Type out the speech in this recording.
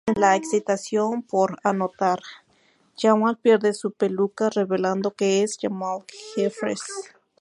En la excitación por anotar, Jamal pierde su peluca revelando que es Jamal Jeffries.